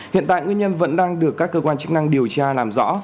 hiện tại nguyên nhân vẫn đang được các cơ quan chức năng điều tra làm rõ